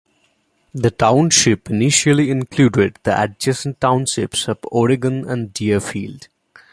The township initially included the adjacent townships of Oregon and Deerfield.